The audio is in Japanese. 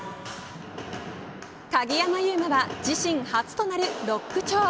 鍵山優真は自身初となるロック調。